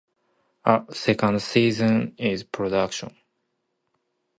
A second season is in production.